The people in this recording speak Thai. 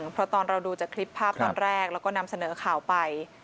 เพราะตอนเราดูจากคลิปภาพตอนแรกแล้วก็นำเสนอข่าวไป